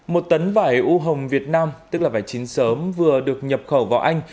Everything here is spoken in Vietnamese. một tấn vải u hồng việt nam tức là vải chín sớm vừa được nhập khẩu vào anh